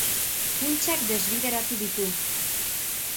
Funtsak desbideratu ditu.